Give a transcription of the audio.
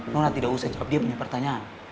nona tidak usah jawab dia punya pertanyaan